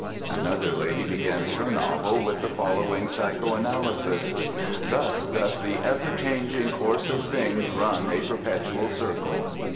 Another lady begins her novel with the following psychanalysis: "Thus doth the ever changing course of things run a perpetual circle."